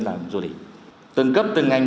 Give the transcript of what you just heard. làm du lịch